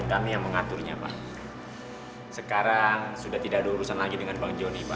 kita terlalu banyak salah pada dia